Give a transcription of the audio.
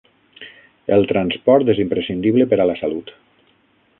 El transport és imprescindible per a la salut.